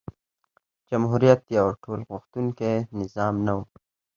جمهوریت یو ټولغوښتونکی نظام نه و.